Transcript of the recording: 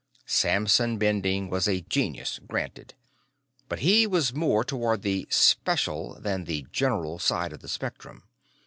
Samson Bending was a genius, granted; but he was more toward the "special" than the "general" side of the spectrum.